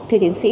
thưa tiến sĩ